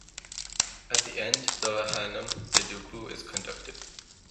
At the end the Vahanam eduppu is conducted.